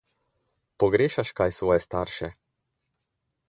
Pogrešaš kaj svoje starše?